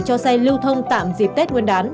cho xe lưu thông tạm dịp tết nguyên đán